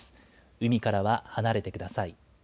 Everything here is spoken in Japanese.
海からは離れてください。